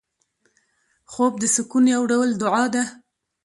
خوب د سکون یو ډول دعا ده